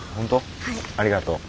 ありがとう。